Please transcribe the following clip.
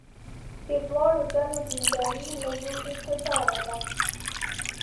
د دواړو ډلو دینداري له یوه اعتباره ده.